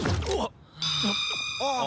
ああ。